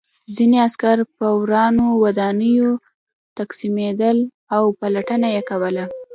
ځینې عسکر په ورانو ودانیو تقسیمېدل او پلټنه یې کوله